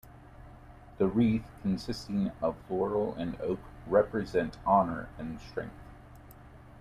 The wreath, consisting of laurel and oak represent honor and strength.